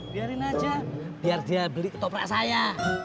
biarin aja biar dia beli ketoprak saya